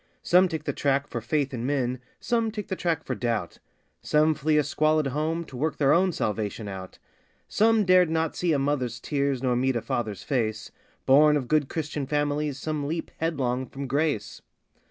Some take the track for faith in men some take the track for doubt Some flee a squalid home to work their own salvation out. Some dared not see a mother's tears nor meet a father's face Born of good Christian families some leap, head long, from Grace.